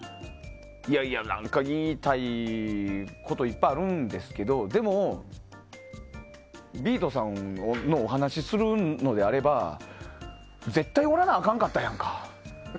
何か言いたいこといっぱいあるんですけどでも、ビートさんのお話をするのであれば絶対おらなあかんかったやんか。